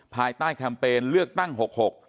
ภายใต้แคมเปญเลือกตั้งหกหก